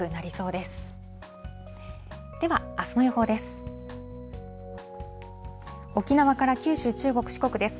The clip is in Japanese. では、あすの予報です。